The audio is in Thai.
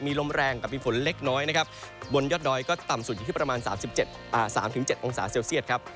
มีลมแรงกับมีฝนเล็กน้อยนะครับบนยอดดอยก็ต่ำสุดอยู่ที่ประมาณ๓๗องศาเซลเซียตครับ